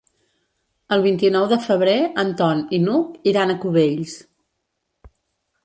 El vint-i-nou de febrer en Ton i n'Hug iran a Cubells.